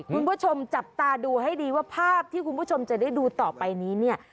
คุณผู้ชมจับตาดูให้ดีว่าภาพที่คุณผู้ชมจะได้ดูต่อไปนี้เนี่ย